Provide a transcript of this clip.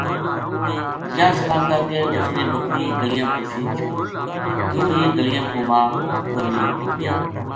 یاہ صلاح کر کے اس نے بکری گلیاں پو شیک چھُڑی کیوں جے گلیاں پو مال بھُکھو نیہہ ہوتو